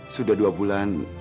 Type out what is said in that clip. sudah dua bulan